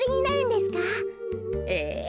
ええ。